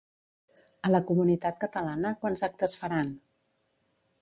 A la comunitat catalana, quants actes faran?